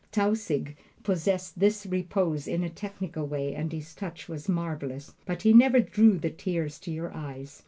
Tausig possessed this repose in a technical way, and his touch was marvelous; but he never drew the tears to your eyes.